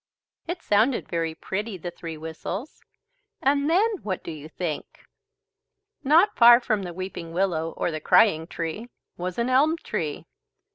It sounded very pretty, the three whistles and then what do you think? Not far from the weeping willow or the "Crying Tree," was an elm tree.